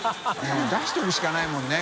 もう出しとくしかないもんね。